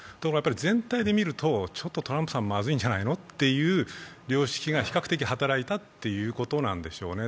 全体で見るとちょっとトランプさんまずいんじゃないのという良識が比較的働いたということなんじゃないでしょうかね。